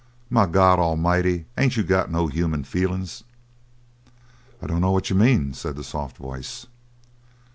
"My God A'mighty, ain't you got no human feelin's?" "I dunno what you mean," said the soft voice.